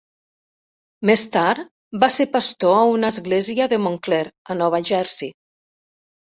Més tard, va ser pastor a una església de Montclair, a Nova Jersey.